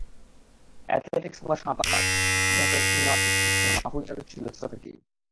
Athletics কিংবা সাঁতার—যেকোনো একটি খেলাকে বেছে নেওয়ার ইচ্ছা মাহফুজারও ছিল ছোট থেকেই।